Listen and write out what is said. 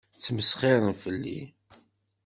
Ttmesxiṛent fell-i.